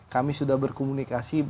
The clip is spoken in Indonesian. kami sudah berkomunikasi